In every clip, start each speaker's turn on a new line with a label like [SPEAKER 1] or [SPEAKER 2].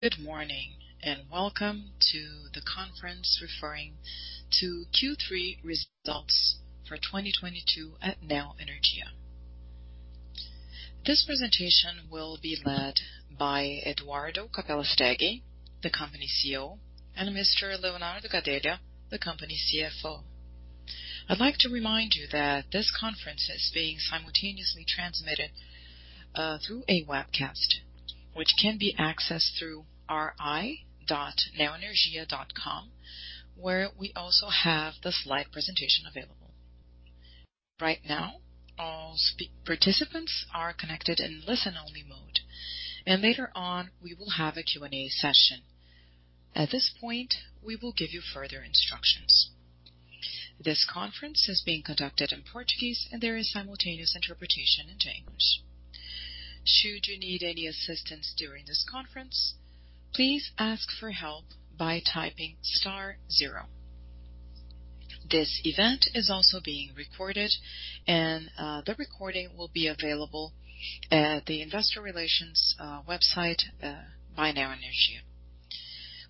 [SPEAKER 1] Good morning, and welcome to the conference referring to Q3 results for 2022 at Neoenergia. This presentation will be led by Eduardo Capelastegui Saiz, the company CEO, and Mr. Leonardo Pimenta Gadelha, the company CFO. I'd like to remind you that this conference is being simultaneously transmitted through a webcast, which can be accessed through ri.neoenergia.com, where we also have the slide presentation available. Right now, all participants are connected in listen-only mode. Later on, we will have a Q&A session. At this point, we will give you further instructions. This conference is being conducted in Portuguese, and there is simultaneous interpretation in English. Should you need any assistance during this conference, please ask for help by typing star zero. This event is also being recorded, and the recording will be available at the investor relations website by Neoenergia.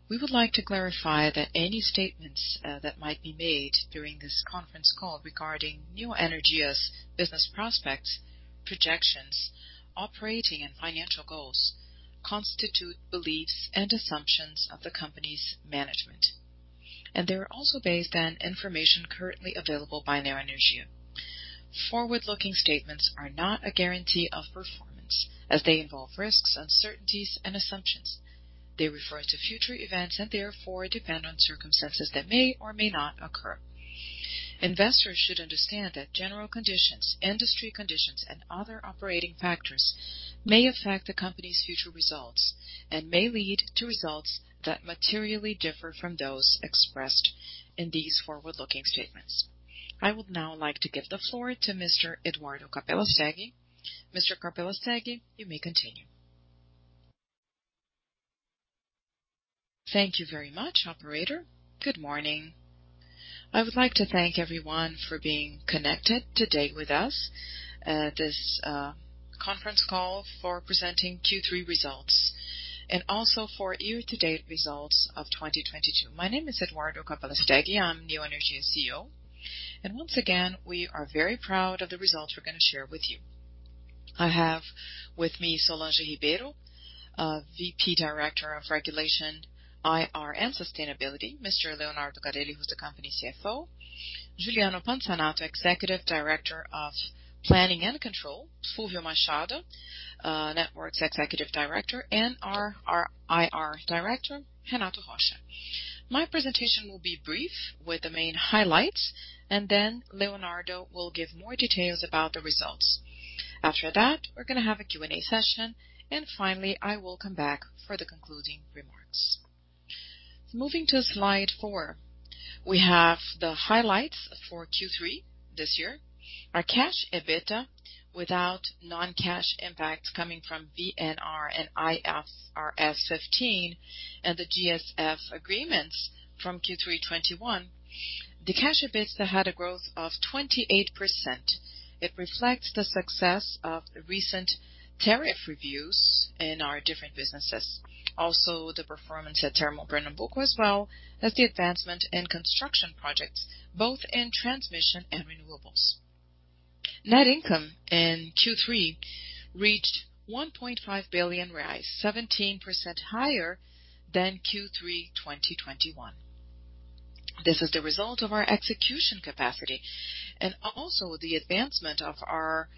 [SPEAKER 1] We would like to clarify that any statements that might be made during this conference call regarding Neoenergia's business prospects, projections, operating and financial goals constitute beliefs and assumptions of the company's management. They are also based on information currently available by Neoenergia. Forward-looking statements are not a guarantee of performance as they involve risks, uncertainties, and assumptions. They refer to future events and therefore depend on circumstances that may or may not occur. Investors should understand that general conditions, industry conditions, and other operating factors may affect the company's future results and may lead to results that materially differ from those expressed in these forward-looking statements. I would now like to give the floor to Mr. Eduardo Capelastegui Saiz. Mr. Capelastegui Saiz, you may continue. Thank you very much, operator. Good morning.
[SPEAKER 2] I would like to thank everyone for being connected today with us at this conference call for presenting Q3 results and also for year-to-date results of 2022. My name is Eduardo Capelastegui Saiz. I'm Neoenergia's CEO. Once again, we are very proud of the results we're gonna share with you. I have with me Solange Maria Pinto Ribeiro, VP Director of Regulation, IR, and Sustainability. Mr. Leonardo Pimenta Gadelha, who's the company's CFO. Juliano Pansanato de Souza, Executive Director of Planning and Control. Fulvio da Silva Marcondes Machado, Networks Executive Director. And our IR Director, Renato de Almeida Rocha. My presentation will be brief with the main highlights, and then Leonardo will give more details about the results. After that, we're gonna have a Q&A session, and finally, I will come back for the concluding remarks. Moving to slide four. We have the highlights for Q3 this year. Our cash EBITDA without non-cash impacts coming from VNR and IFRS 15 and the GSF agreements from Q3 2021. The cash EBITDA had a growth of 28%. It reflects the success of the recent tariff reviews in our different businesses. Also the performance at Termopernambuco as well as the advancement in construction projects, both in transmission and renewables. Net income in Q3 reached 1.5 billion reais, 17% higher than Q3 2021. This is the result of our execution capacity and also the advancement of our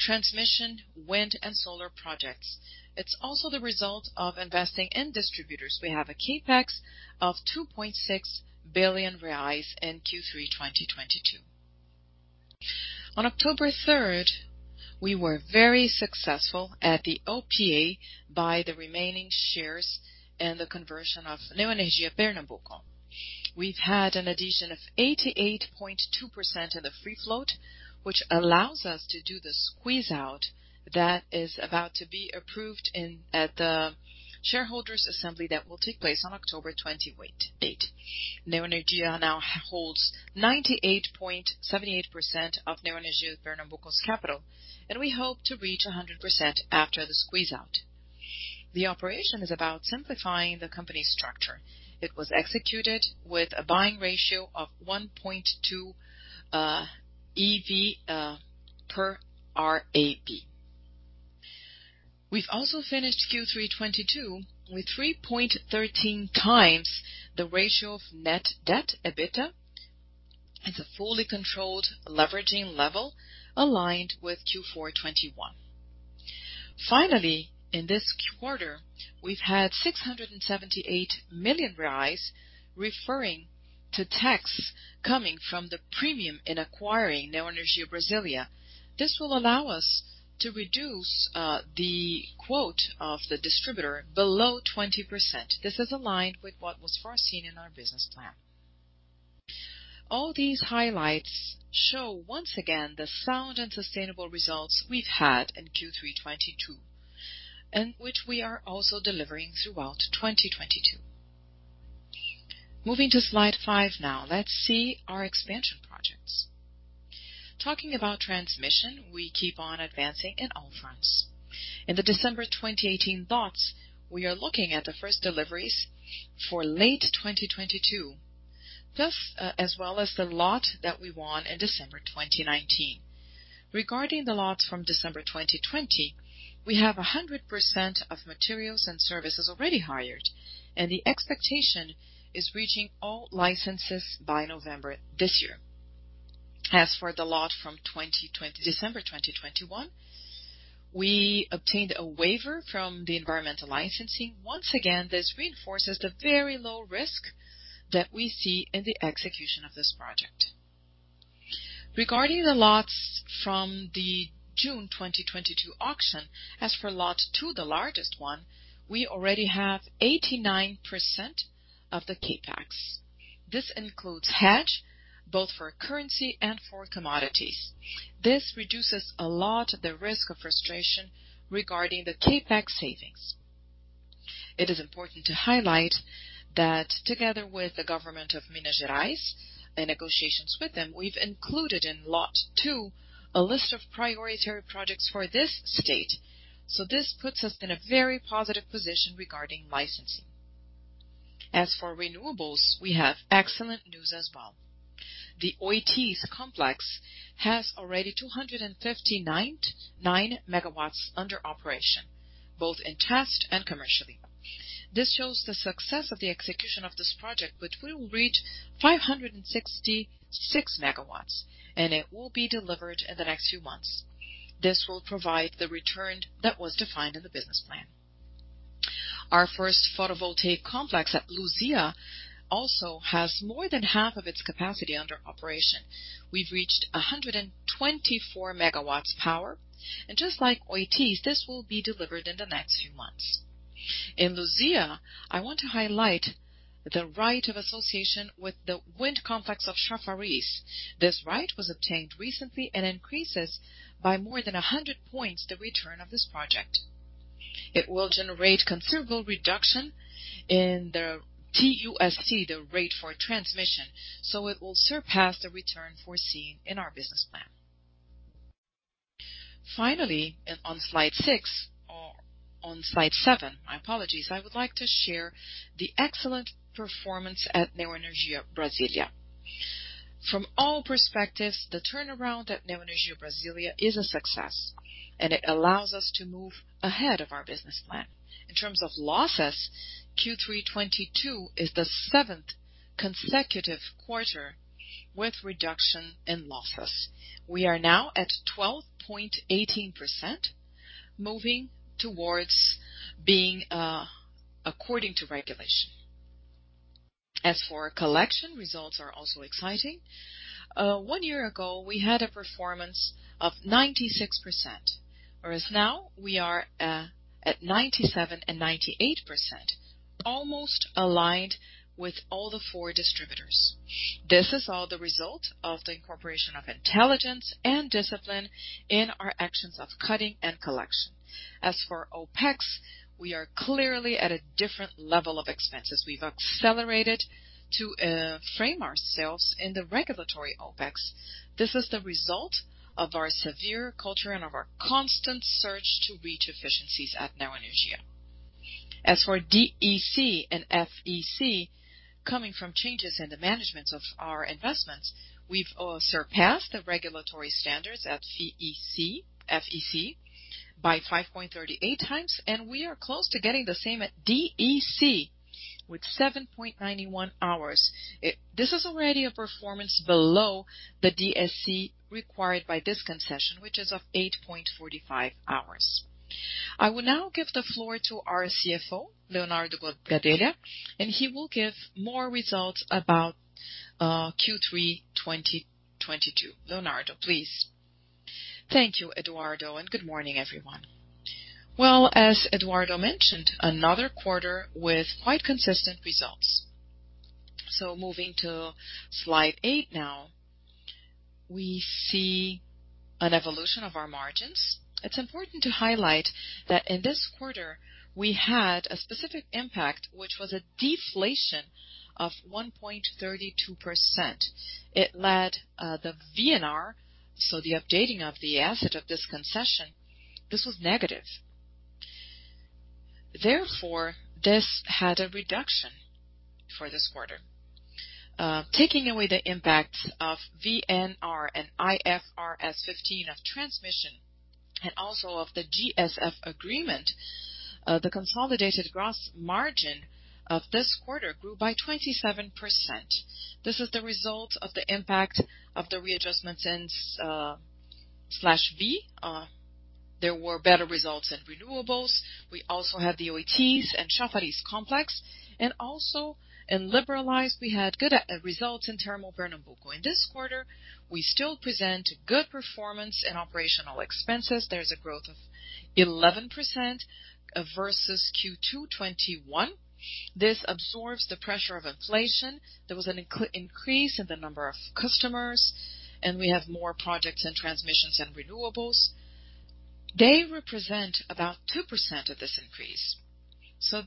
[SPEAKER 2] transmission, wind, and solar projects. It's also the result of investing in distributors. We have a CapEx of 2.6 billion reais in Q3 2022. On October third, we were very successful at the OPA by the remaining shares and the conversion of Neoenergia Pernambuco. We've had an addition of 88.2% of the free float, which allows us to do the squeeze-out that is about to be approved at the shareholders assembly that will take place on October 28. Neoenergia now holds 98.78% of Neoenergia Pernambuco's capital, and we hope to reach 100% after the squeeze-out. The operation is about simplifying the company's structure. It was executed with a buying ratio of 1.2 EV per RAB. We've also finished Q3 2022 with 3.13 times the ratio of net debt to EBITDA. It's a fully controlled leveraging level aligned with Q4 2021. Finally, in this quarter, we've had 678 million reais referring to tax coming from the premium in acquiring Neoenergia Brasília. This will allow us to reduce the quota of the distributor below 20%. This is aligned with what was foreseen in our business plan. All these highlights show once again the sound and sustainable results we've had in Q3 2022, and which we are also delivering throughout 2022. Moving to slide five now, let's see our expansion projects. Talking about transmission, we keep on advancing in all fronts. In the December 2018 lots, we are looking at the first deliveries for late 2022. Thus, as well as the lot that we won in December 2019. Regarding the lots from December 2020, we have 100% of materials and services already hired, and the expectation is reaching all licenses by November this year. As for the lot from December 2021, we obtained a waiver from the environmental licensing. Once again, this reinforces the very low risk that we see in the execution of this project. Regarding the lots from the June 2022 auction, as for lot two, the largest one, we already have 89% of the CapEx. This includes hedging, both for currency and for commodities. This reduces a lot the risk of frustration regarding the CapEx savings. It is important to highlight that together with the government of Minas Gerais, the negotiations with them, we've included in lot two a list of priority projects for this state. This puts us in a very positive position regarding licensing. As for renewables, we have excellent news as well. The Oitis complex has already 259.9 megawatts under operation, both in test and commercially. This shows the success of the execution of this project, which we will reach 566 megawatts, and it will be delivered in the next few months. This will provide the return that was defined in the business plan. Our first photovoltaic complex at Luzia also has more than half of its capacity under operation. We've reached 124 megawatts power. Just like Oitis, this will be delivered in the next few months. In Luzia, I want to highlight the right of association with the wind complex of Chafariz. This right was obtained recently and increases by more than 100 points the return of this project. It will generate considerable reduction in the TUST, the rate for transmission, so it will surpass the return foreseen in our business plan. Finally, on slide six, or on slide seven, my apologies, I would like to share the excellent performance at Neoenergia Brasília. From all perspectives, the turnaround at Neoenergia Brasília is a success, and it allows us to move ahead of our business plan. In terms of losses, Q3 2022 is the seventh consecutive quarter with reduction in losses. We are now at 12.18%, moving towards being according to regulation. As for collection, results are also exciting. One year ago, we had a performance of 96%, whereas now we are at 97% and 98%, almost aligned with all the four distributors. This is all the result of the incorporation of intelligence and discipline in our actions of cutting and collection. As for OpEx, we are clearly at a different level of expenses. We've accelerated to frame ourselves in the regulatory OpEx. This is the result of our safety culture and of our constant search to reach efficiencies at Neoenergia. As for DEC and FEC, coming from changes in the management of our investments, we've surpassed the regulatory standards at FEC by 5.38 times, and we are close to getting the same at DEC with 7.91 hours. This is already a performance below the DEC required by this concession, which is of 8.45 hours. I will now give the floor to our CFO, Leonardo Gadelha, and he will give more results about Q3 2022. Leonardo, please.
[SPEAKER 3] Thank you, Eduardo, and good morning, everyone. Well, as Eduardo mentioned, another quarter with quite consistent results. Moving to slide eight now, we see an evolution of our margins. It's important to highlight that in this quarter we had a specific impact, which was a deflation of 1.32%. It led the VNR, so the updating of the asset of this concession; this was negative. Therefore, this had a reduction for this quarter. Taking away the impact of VNR and IFRS 15 of transmission and also of the GSF agreement, the consolidated gross margin of this quarter grew by 27%. This is the result of the impact of the readjustments in SLV. There were better results in renewables. We also have the Oitis and Chafariz complex. Also in liberalized, we had good results in Termopernambuco. In this quarter, we still present good performance in operational expenses. There's a growth of 11% versus Q2 2021. This absorbs the pressure of inflation. There was an increase in the number of customers, and we have more projects in transmissions and renewables. They represent about 2% of this increase.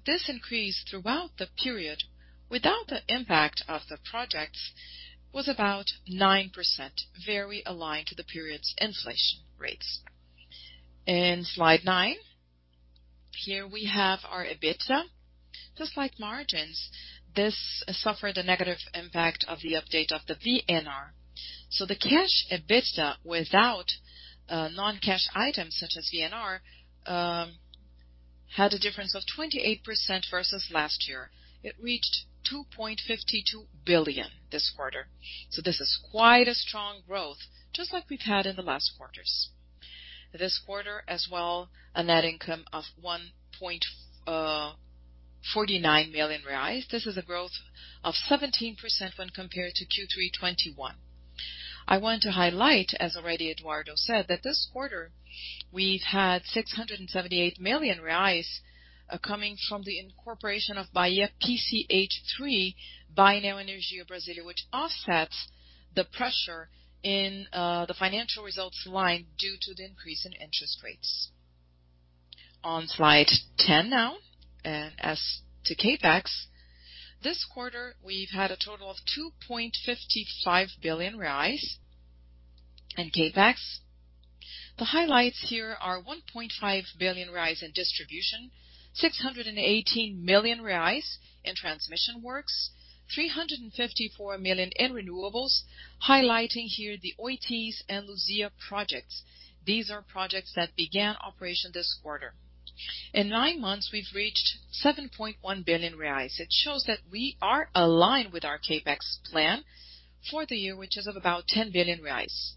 [SPEAKER 3] This increase throughout the period, without the impact of the projects, was about 9%, very aligned to the period's inflation rates. In slide nine, here we have our EBITDA. Just like margins, this suffered a negative impact of the update of the VNR. The cash EBITDA without non-cash items such as VNR had a difference of 28% versus last year. It reached 2.52 billion this quarter. This is quite a strong growth, just like we've had in the last quarters. This quarter as well, a net income of 1.49 million reais. This is a growth of 17% when compared to Q3 2021. I want to highlight, as already Eduardo said, that this quarter we've had 678 million reais coming from the incorporation of Bahia PCH III by Neoenergia Brasília, which offsets the pressure in the financial results line due to the increase in interest rates. On slide ten now, as to CapEx. This quarter, we've had a total of 2.55 billion reais in CapEx. The highlights here are 1.5 billion reais in distribution, 618 million reais in transmission works, 354 million in renewables, highlighting here the Oitis and Luzia projects. These are projects that began operation this quarter. In nine months, we've reached 7.1 billion reais. It shows that we are aligned with our CapEx plan for the year, which is of about 10 billion reais.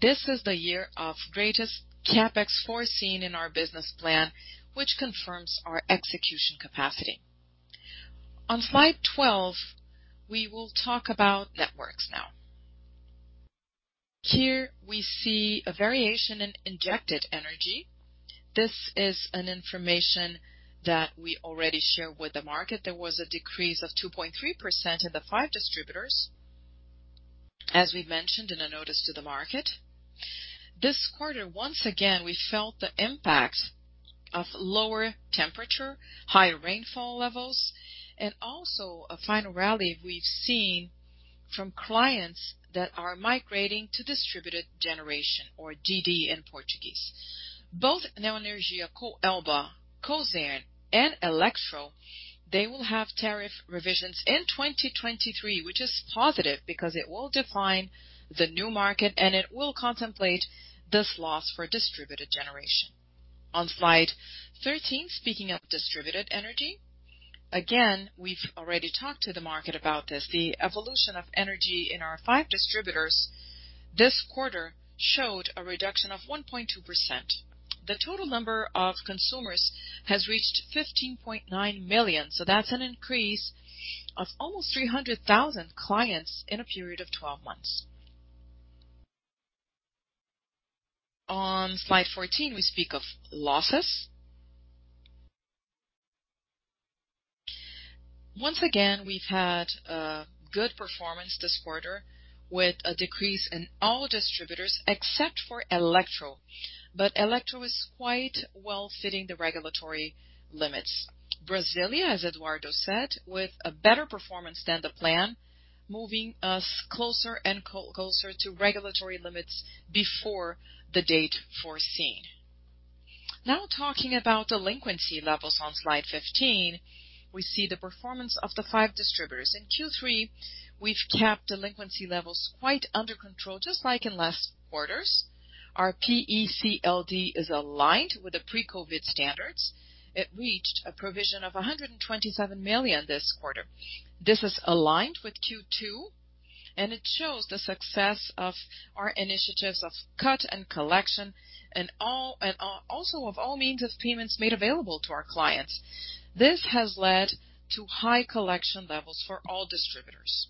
[SPEAKER 3] This is the year of greatest CapEx foreseen in our business plan, which confirms our execution capacity. On slide 12, we will talk about networks now. Here we see a variation in injected energy. This is an information that we already share with the market. There was a decrease of 2.3% in the five distributors, as we mentioned in a notice to the market. This quarter, once again, we felt the impact of lower temperature, higher rainfall levels, and also a final rally we've seen from clients that are migrating to distributed generation, or GD in Portuguese. Both Neoenergia Coelba, Cosern and Elektro, they will have tariff revisions in 2023, which is positive because it will define the new market, and it will contemplate this loss for distributed generation. On slide 13, speaking of distributed energy, again, we've already talked to the market about this. The evolution of energy in our five distributors this quarter showed a reduction of 1.2%. The total number of consumers has reached 15.9 million. That's an increase of almost 300,000 clients in a period of 12 months. On slide 14, we speak of losses. Once again, we've had good performance this quarter with a decrease in all distributors except for Elektro. Elektro is quite well fitting the regulatory limits. Brasília, as Eduardo said, with a better performance than the plan, moving us closer and closer to regulatory limits before the date foreseen. Now talking about delinquency levels on slide 15, we see the performance of the five distributors. In Q3, we've kept delinquency levels quite under control, just like in last quarters. Our PECLD is aligned with the pre-COVID standards. It reached a provision of 127 million this quarter. This is aligned with Q2, and it shows the success of our initiatives of cut and collection and all and also of all means of payments made available to our clients. This has led to high collection levels for all distributors.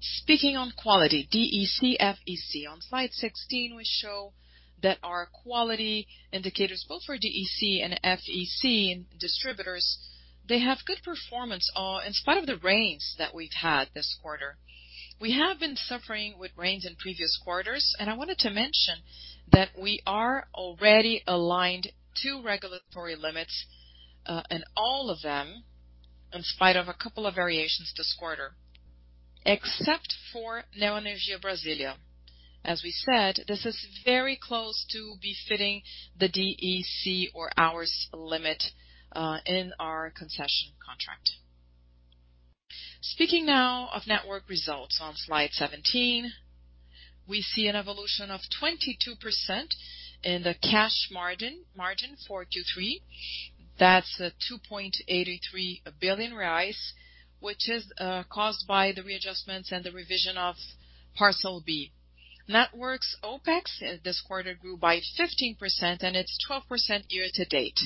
[SPEAKER 3] Speaking on quality, DEC, FEC. On slide 16, we show that our quality indicators, both for DEC and FEC in distributors, they have good performance, in spite of the rains that we've had this quarter. We have been suffering with rains in previous quarters, and I wanted to mention that we are already aligned to regulatory limits, in all of them, in spite of a couple of variations this quarter. Except for Neoenergia Brasília. As we said, this is very close to be fitting the DEC or hours limit, in our concession contract. Speaking now of network results on slide 17, we see an evolution of 22% in the cash margin for Q3. That's 2.83 billion, which is caused by the readjustments and the revision of Parcel B. Networks OpEx this quarter grew by 15%, and it's 12% year-to-date.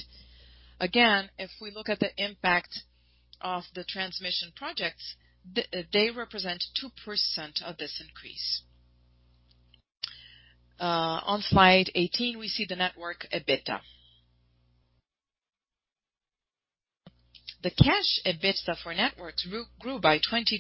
[SPEAKER 3] Again, if we look at the impact of the transmission projects, they represent 2% of this increase. On slide 18, we see the network EBITDA. The cash EBITDA for networks grew by 23%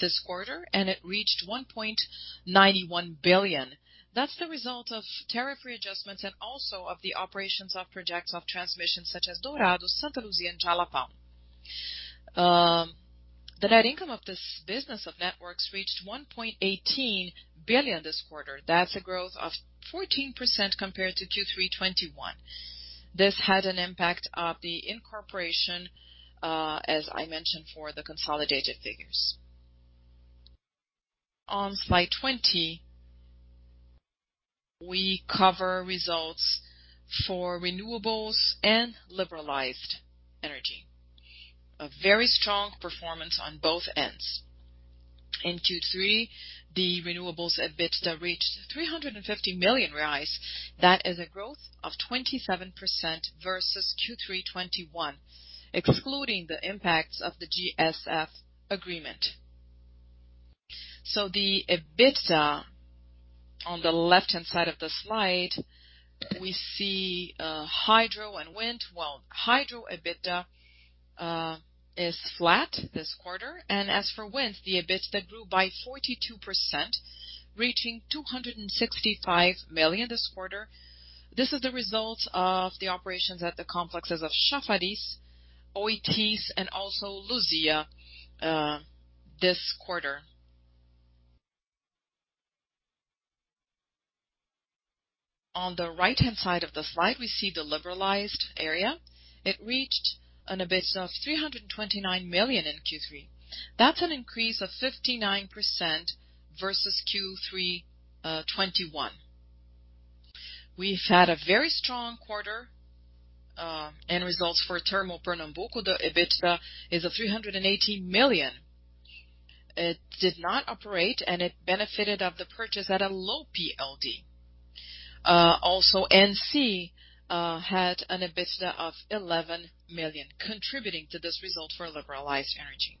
[SPEAKER 3] this quarter, and it reached 1.91 billion. That's the result of tariff readjustments and also of the operations of projects of transmissions such as Dourados, Santa Luzia, and Jalapão. The net income of this business of networks reached 1.18 billion this quarter. That's a growth of 14% compared to Q3 2021. This had an impact of the incorporation, as I mentioned, for the consolidated figures. On slide 20, we cover results for renewables and liberalized energy. A very strong performance on both ends. In Q3, the renewables EBITDA reached 350 million reais. That is a growth of 27% versus Q3 2021, excluding the impacts of the GSF agreement. The EBITDA on the left-hand side of the slide, we see, hydro and wind. Well, hydro EBITDA is flat this quarter. As for wind, the EBITDA grew by 42%, reaching 265 million this quarter. This is the result of the operations at the complexes of Chafariz, Oitis, and also Luzia this quarter. On the right-hand side of the slide, we see the liberalized area. It reached an EBITDA of 329 million in Q3. That's an increase of 59% versus Q3 2021. We've had a very strong quarter, and results for Termopernambuco. The EBITDA is 380 million. It did not operate, and it benefited of the purchase at a low PLD. Also NC had an EBITDA of 11 million contributing to this result for liberalized energy.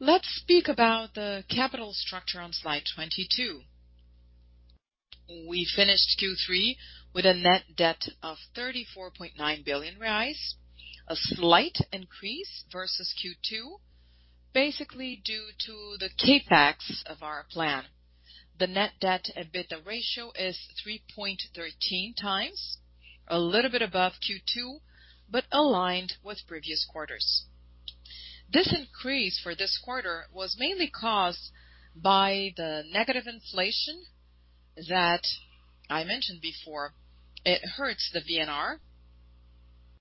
[SPEAKER 3] Let's speak about the capital structure on slide 22. We finished Q3 with a net debt of 34.9 billion reais, a slight increase versus Q2, basically due to the CapEx of our plan. The net debt EBITDA ratio is 3.13 times, a little bit above Q2, but aligned with previous quarters. This increase for this quarter was mainly caused by the negative inflation that I mentioned before. It hurts the VNR,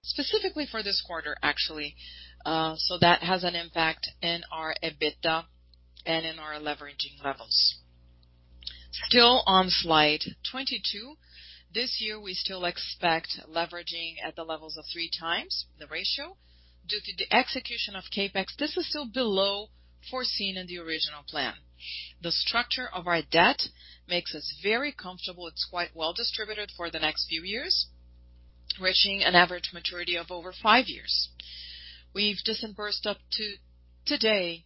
[SPEAKER 3] specifically for this quarter, actually. That has an impact in our EBITDA and in our leveraging levels. Still on slide 22, this year we still expect leveraging at the levels of 3x due to the execution of CapEx. This is still below foreseen in the original plan. The structure of our debt makes us very comfortable. It's quite well distributed for the next few years, reaching an average maturity of over five years. We've disbursed up to today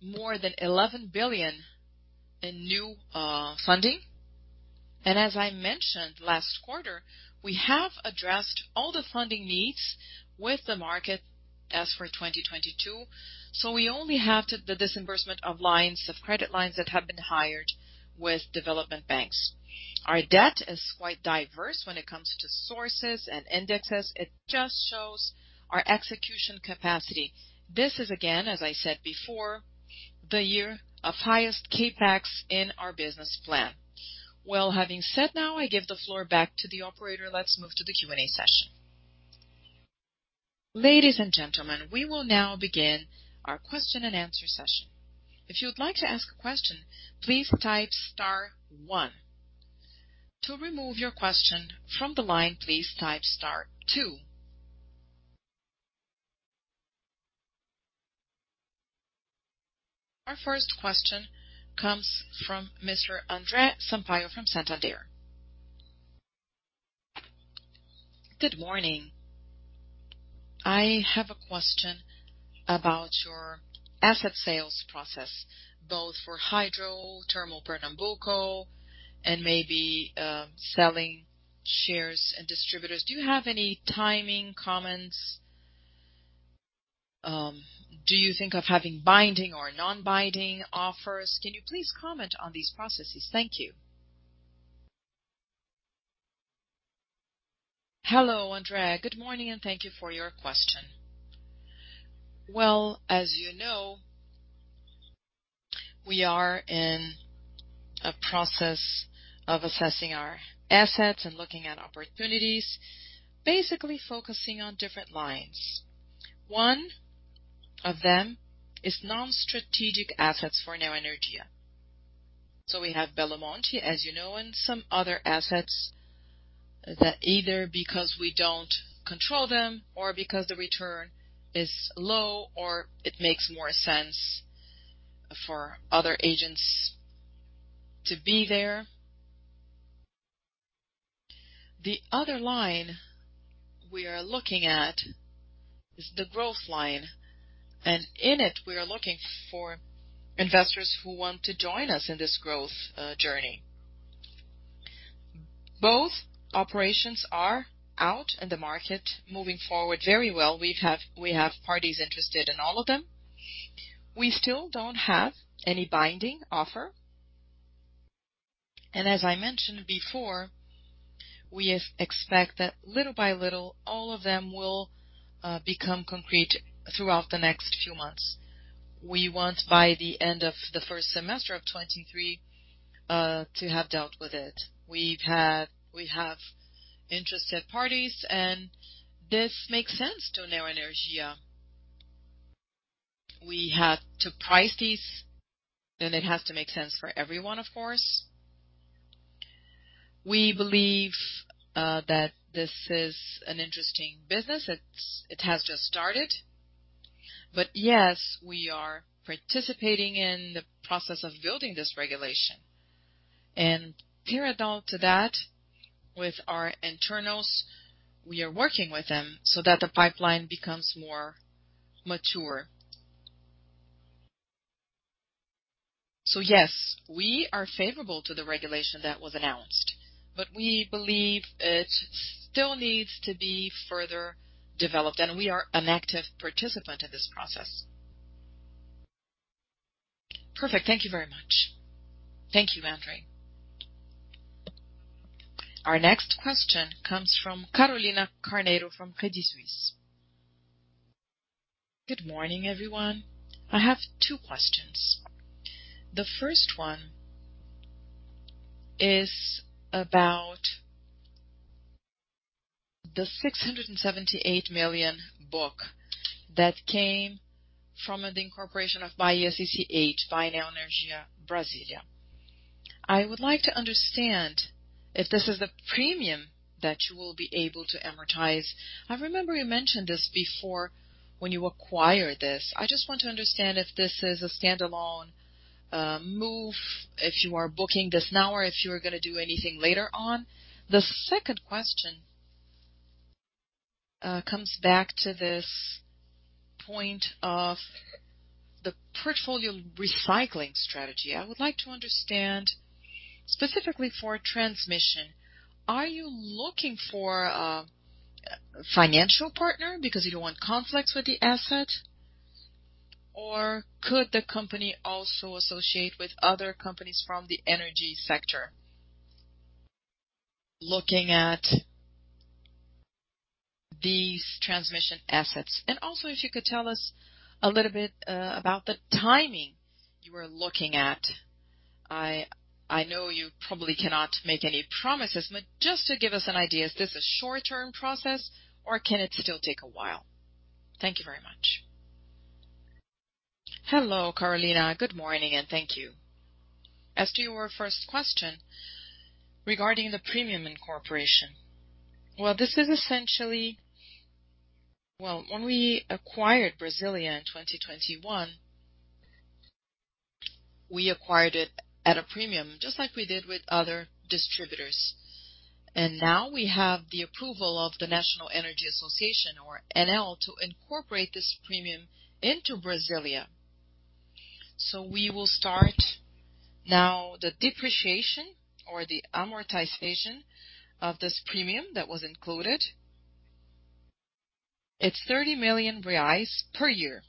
[SPEAKER 3] more than 11 billion in new funding. As I mentioned last quarter, we have addressed all the funding needs with the market as for 2022, so we only have the disbursement of lines, of credit lines that have been hired with development banks. Our debt is quite diverse when it comes to sources and indexes. It just shows our execution capacity. This is, again, as I said before, the year of highest CapEx in our business plan. Well, having said now, I give the floor back to the operator. Let's move to the Q&A session.
[SPEAKER 1] Ladies and gentlemen, we will now begin our question and answer session. If you would like to ask a question, please type star one. To remove your question from the line, please type star two. Our first question comes from Mr. André Sampaio from Santander.
[SPEAKER 4] Good morning. I have a question about your asset sales process, both for Hydro, Termopernambuco, and maybe, selling shares in distributors. Do you have any timing comments? Do you think of having binding or non-binding offers? Can you please comment on these processes? Thank you.
[SPEAKER 2] Hello, André. Good morning, and thank you for your question. Well, as you know, we are in a process of assessing our assets and looking at opportunities, basically focusing on different lines. One of them is non-strategic assets for Neoenergia. We have Belo Monte, as you know, and some other assets that either because we don't control them or because the return is low or it makes more sense for other agents to be there. The other line we are looking at is the growth line, and in it we are looking for investors who want to join us in this growth, journey. Both operations are out in the market moving forward very well. We have parties interested in all of them. We still don't have any binding offer. As I mentioned before, we expect that little by little, all of them will become concrete throughout the next few months. We want by the end of the first semester of 2023 to have dealt with it. We have interested parties, and this makes sense to Neoenergia. We have to price these, and it has to make sense for everyone, of course. We believe that this is an interesting business. It has just started. Yes, we are participating in the process of building this regulation. Parallel to that, with our internals, we are working with them so that the pipeline becomes more mature. Yes, we are favorable to the regulation that was announced, but we believe it still needs to be further developed, and we are an active participant in this process.
[SPEAKER 4] Perfect. Thank you very much.
[SPEAKER 2] Thank you, André.
[SPEAKER 1] Our next question comes from Carolina Carneiro from Credit Suisse. Good morning, everyone. I have two questions.
[SPEAKER 5] The first one is about the 678 million book that came from the incorporation of Bahia PCH III by Neoenergia Brasília. I would like to understand if this is a premium that you will be able to amortize. I remember you mentioned this before when you acquired this. I just want to understand if this is a stand-alone move, if you are booking this now, or if you are gonna do anything later on. The second question comes back to this point of the portfolio recycling strategy. I would like to understand, specifically for transmission, are you looking for a financial partner because you don't want conflicts with the asset? Or could the company also associate with other companies from the energy sector looking at these transmission assets? If you could tell us a little bit about the timing you are looking at. I know you probably cannot make any promises, but just to give us an idea, is this a short-term process, or can it still take a while? Thank you very much.
[SPEAKER 2] Hello, Carolina. Good morning, and thank you. As to your first question regarding the premium incorporation. Well, this is essentially. Well, when we acquired Brasília in 2021, we acquired it at a premium, just like we did with other distributors. Now we have the approval of the National Electric Energy Agency, or ANEEL, to incorporate this premium into Brasília. We will start now the depreciation or the amortization of this premium that was included. It's BRL 30 million per year.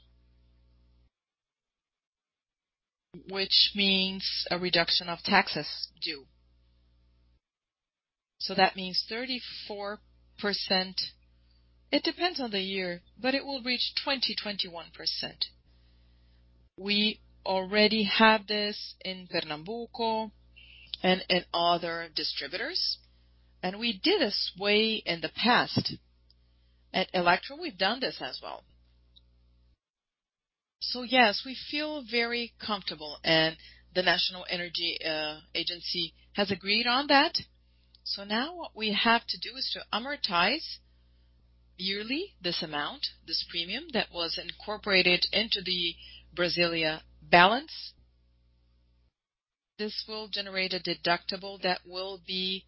[SPEAKER 2] Which means a reduction of taxes due. That means 34%. It depends on the year, but it will reach 20%-21%. We already have this in Pernambuco and in other distributors, and we did this way in the past. At Elektro, we've done this as well. Yes, we feel very comfortable, and the National Electric Energy Agency has agreed on that. Now what we have to do is to amortize yearly this amount, this premium that was incorporated into the Brasília balance. This will generate a deductible that will be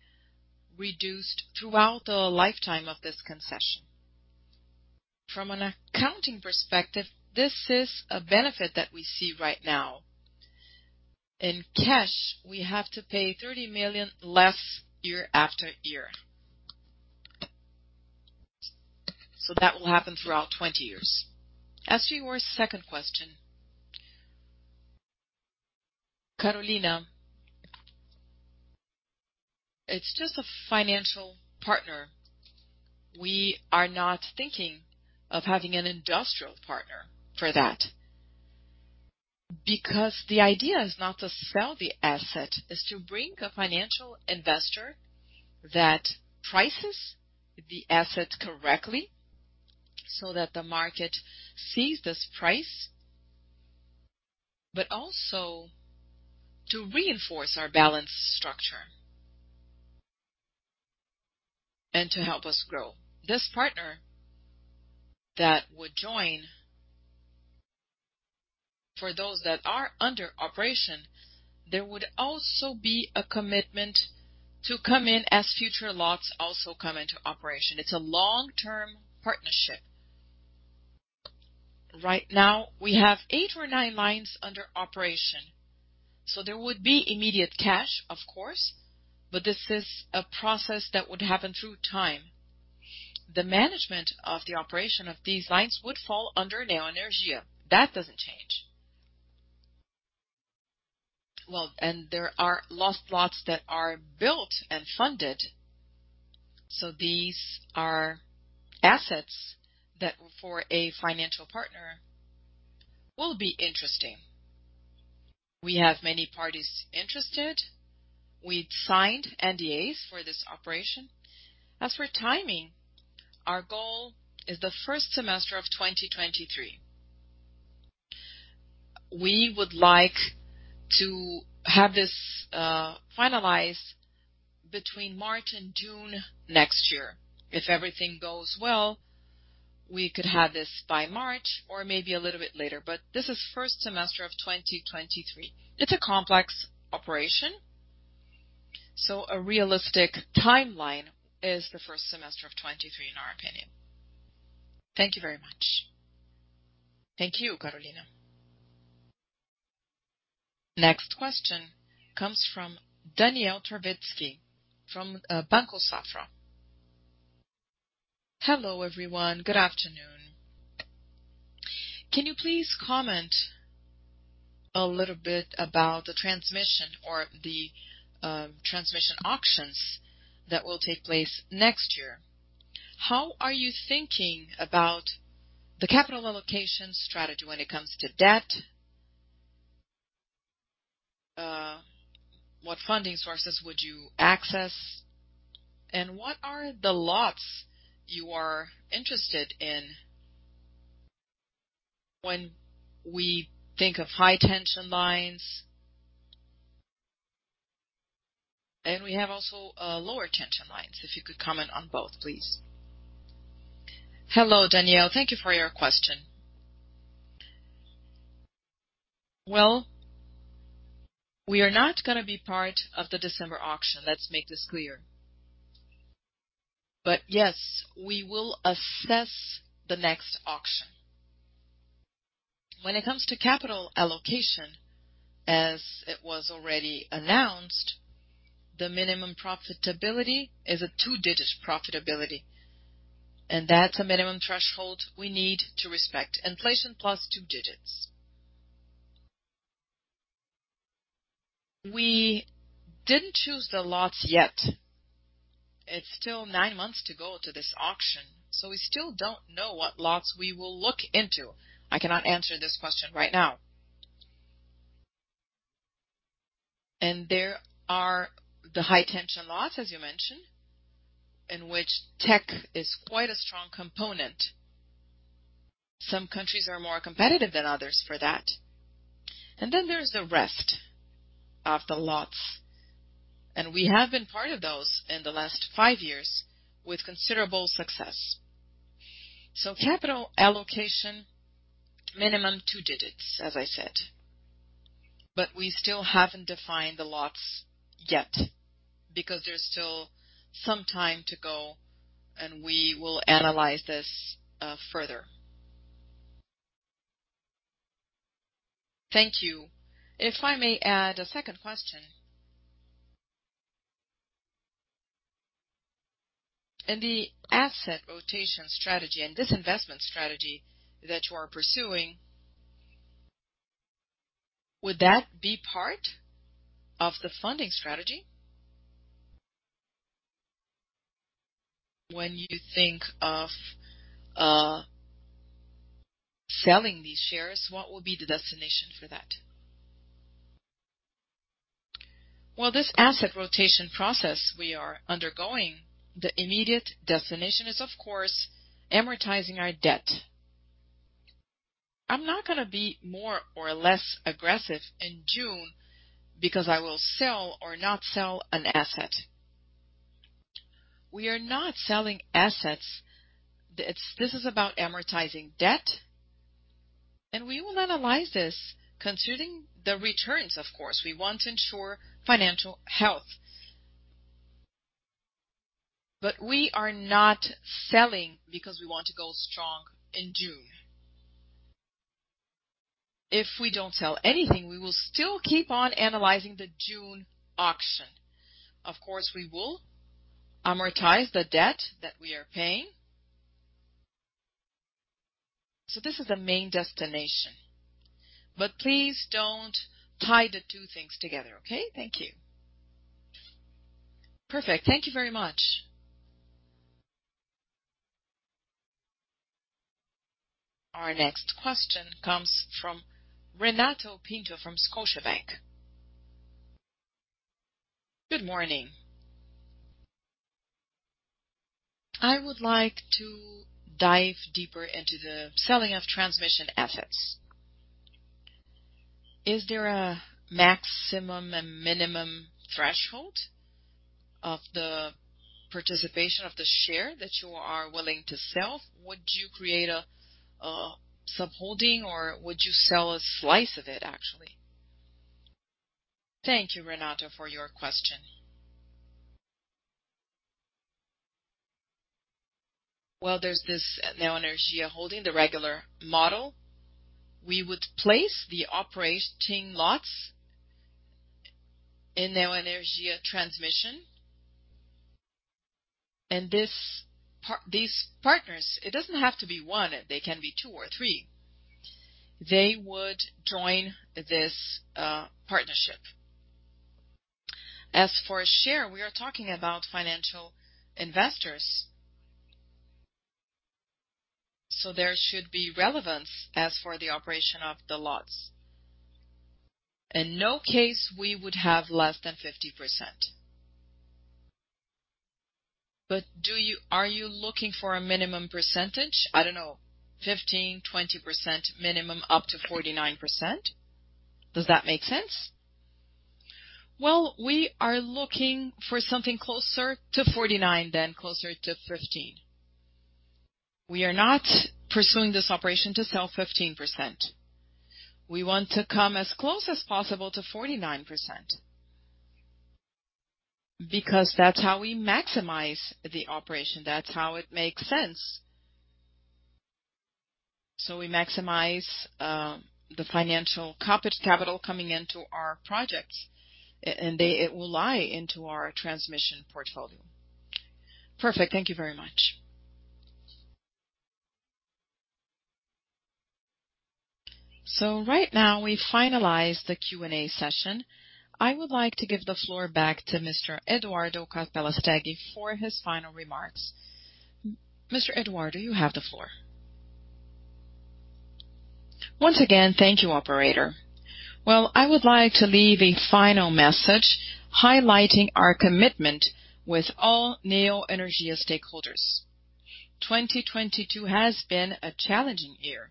[SPEAKER 2] reduced throughout the lifetime of this concession. From an accounting perspective, this is a benefit that we see right now. In cash, we have to pay 30 million less year after year. That will happen throughout 20 years. As to your second question, Carolina, it's just a financial partner. We are not thinking of having an industrial partner for that, because the idea is not to sell the asset. It's to bring a financial investor that prices the asset correctly so that the market sees this price, but also to reinforce our balance structure and to help us grow. This partner that would join, for those that are under operation, there would also be a commitment to come in as future lots also come into operation. It's a long-term partnership. Right now we have eight or nine lines under operation. There would be immediate cash, of course, but this is a process that would happen through time. The management of the operation of these lines would fall under Neoenergia. That doesn't change. Well, there are lots that are built and funded. These are assets that for a financial partner will be interesting. We have many parties interested. We signed NDAs for this operation. As for timing, our goal is the first semester of 2023. We would like to have this finalized between March and June next year. If everything goes well, we could have this by March or maybe a little bit later. This is first semester of 2023. It's a complex operation, so a realistic timeline is the first semester of 2023, in our opinion. Thank you very much.
[SPEAKER 1] Thank you, Carolina. Next question comes from Daniel Travitzky from Banco Safra.
[SPEAKER 6] Hello, everyone. Good afternoon. Can you please comment a little bit about the transmission auctions that will take place next year? How are you thinking about the capital allocation strategy when it comes to debt? What funding sources would you access? What are the lots you are interested in when we think of high tension lines? We have also, lower tension lines, if you could comment on both, please.
[SPEAKER 2] Hello, Daniel. Thank you for your question. Well, we are not gonna be part of the December auction. Let's make this clear. Yes, we will assess the next auction. When it comes to capital allocation, as it was already announced, the minimum profitability is a two-digit profitability, and that's a minimum threshold we need to respect. Inflation plus two digits. We didn't choose the lots yet. It's still nine months to go to this auction, so we still don't know what lots we will look into. I cannot answer this question right now. There are the high tension lots, as you mentioned, in which tech is quite a strong component. Some countries are more competitive than others for that. There's the rest of the lots, and we have been part of those in the last five years with considerable success. Capital allocation, minimum two digits, as I said. We still haven't defined the lots yet because there's still some time to go, and we will analyze this, further.
[SPEAKER 6] Thank you. If I may add a second question. The asset rotation strategy and disinvestment strategy that you are pursuing, would that be part of the funding strategy? When you think of, selling these shares, what will be the destination for that?
[SPEAKER 2] Well, this asset rotation process we are undergoing, the immediate destination is, of course, amortizing our debt. I'm not gonna be more or less aggressive in June because I will sell or not sell an asset. We are not selling assets. This is about amortizing debt, and we will analyze this considering the returns, of course. We want to ensure financial health. We are not selling because we want to go strong in June. If we don't sell anything, we will still keep on analyzing the June auction. Of course, we will amortize the debt that we are paying. This is the main destination. Please don't tie the two things together, okay? Thank you.
[SPEAKER 6] Perfect. Thank you very much.
[SPEAKER 1] Our next question comes from Renato Pinto from Scotiabank.
[SPEAKER 7] Good morning. I would like to dive deeper into the selling of transmission assets. Is there a maximum and minimum threshold of the participation of the share that you are willing to sell? Would you create a sub-holding, or would you sell a slice of it, actually?
[SPEAKER 2] Thank you, Renato, for your question. Well, there's this Neoenergia holding the regular model. We would place the operating lots in Neoenergia Transmissão. These partners, it doesn't have to be one, they can be two or three. They would join this partnership. As for a share, we are talking about financial investors, so there should be relevance as for the operation of the lots. In no case we would have less than 50%. Are you looking for a minimum percentage? I don't know, 15, 20% minimum, up to 49%. Does that make sense? Well, we are looking for something closer to 49% than closer to 15%. We are not pursuing this operation to sell 15%. We want to come as close as possible to 49%, because that's how we maximize the operation. That's how it makes sense. We maximize the financial capital coming into our project, and it will tie into our transmission portfolio. Perfect. Thank you very much. Right now we finalize the Q&A session. I would like to give the floor back to Mr. Eduardo Capelastegui Saiz for his final remarks. Mr. Eduardo, you have the floor. Once again, thank you, operator. Well, I would like to leave a final message highlighting our commitment with all Neoenergia stakeholders. 2022 has been a challenging year,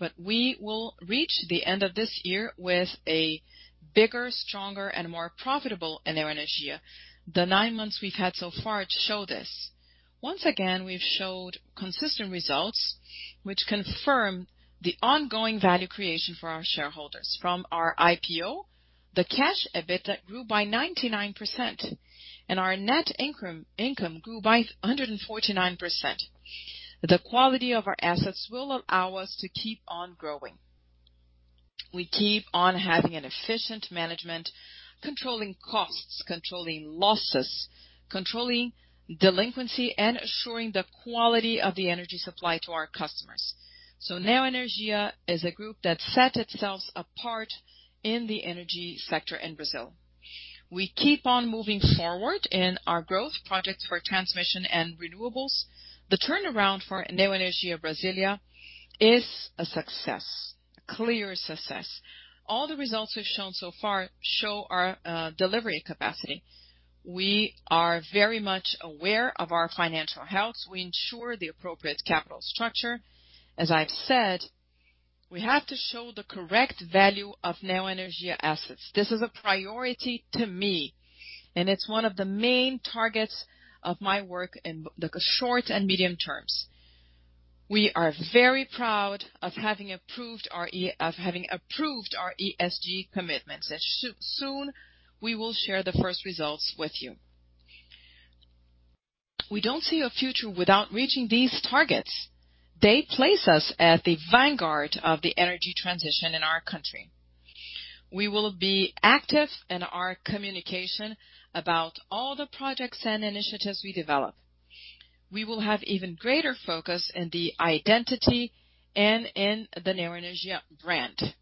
[SPEAKER 2] but we will reach the end of this year with a bigger, stronger, and more profitable Neoenergia. The nine months we've had so far show this. Once again, we've showed consistent results which confirm the ongoing value creation for our shareholders. From our IPO, the cash EBITDA grew by 99%, and our net income grew by 149%. The quality of our assets will allow us to keep on growing. We keep on having an efficient management, controlling costs, controlling losses, controlling delinquency, and assuring the quality of the energy supply to our customers. Neoenergia is a group that set itself apart in the energy sector in Brazil. We keep on moving forward in our growth projects for transmission and renewables. The turnaround for Neoenergia Brasília is a success, a clear success. All the results we've shown so far show our delivery capacity. We are very much aware of our financial health. We ensure the appropriate capital structure. As I've said, we have to show the correct value of Neoenergia assets. This is a priority to me, and it's one of the main targets of my work in the short and medium terms. We are very proud of having approved our ESG commitments. Soon we will share the first results with you. We don't see a future without reaching these targets. They place us at the vanguard of the energy transition in our country. We will be active in our communication about all the projects and initiatives we develop. We will have even greater focus in the identity and in the Neoenergia brand.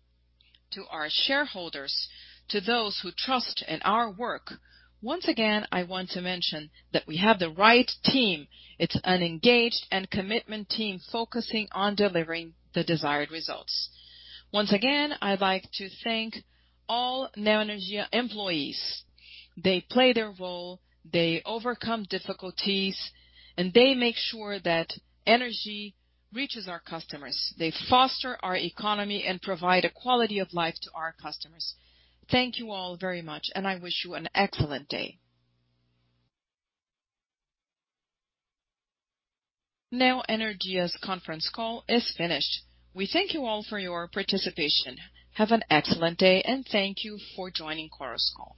[SPEAKER 2] To our shareholders, to those who trust in our work, once again, I want to mention that we have the right team. It's an engaged and committed team focusing on delivering the desired results. Once again, I'd like to thank all Neoenergia employees. They play their role, they overcome difficulties, and they make sure that energy reaches our customers. They foster our economy and provide a quality of life to our customers.
[SPEAKER 1] Thank you all very much, and I wish you an excellent day. Neoenergia's conference call is finished. We thank you all for your participation. Have an excellent day, and thank you for joining Chorus Call.